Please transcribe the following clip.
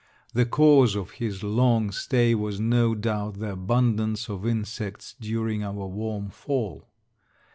The cause of his long stay was no doubt the abundance of insects during our warm fall.